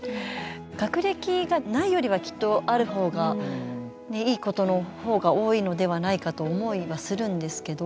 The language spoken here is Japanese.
学歴がないよりはきっとあるほうがいいことのほうが多いのではないかと思いはするんですけど。